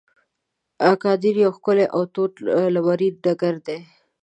اګادیر یو ښکلی او تود لمرین ډګر دی.